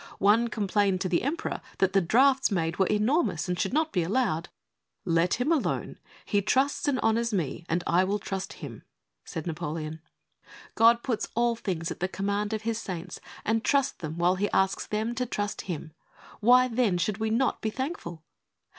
One complained to the Emperor that the drafts made were enormous and should not be allowed. "Let him alone ; he trusts and honours me, and I will trust him," said Napoleon. God puts all things at the command of His saints, and trusts them while He asks them to trust Him. Why, then, should we not be thankful